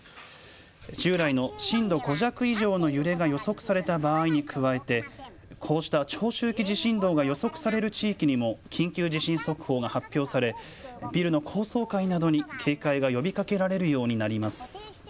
従来の震度５弱以上の揺れが予測された場合に加えてこうした長周期地震動が予測される地域にも緊急地震速報が発表されビルの高層階などに警戒が呼びかけられるようになります。